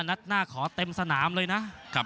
นัดหน้าขอเต็มสนามเลยนะ